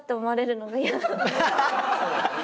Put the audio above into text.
ハハハハ！